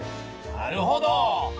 なるほど！